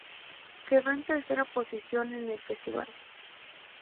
Quedó en tercera posición en el festival.